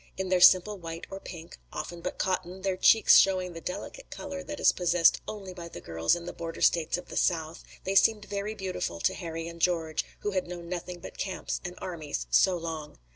In their simple white or pink, often but cotton, their cheeks showing the delicate color that is possessed only by the girls in the border states of the South, they seemed very beautiful to Harry and George, who had known nothing but camps and armies so long.